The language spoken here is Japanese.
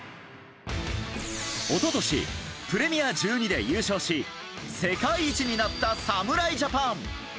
一昨年、プレミア１２で優勝し世界一になった侍ジャパン。